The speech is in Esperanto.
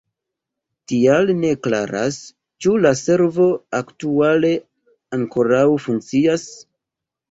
Tial ne klaras, ĉu la servo aktuale ankoraŭ funkcias.